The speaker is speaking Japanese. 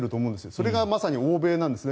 それがまさに欧米なんですね。